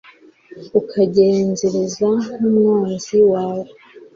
ukangenzereza nk'umwanzi wawe